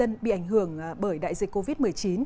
các người dân bị ảnh hưởng bởi đại dịch covid một mươi chín